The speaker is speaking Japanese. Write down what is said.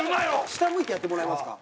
下向いてやってもらえますか？